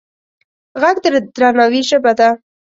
غږ د درناوي ژبه ده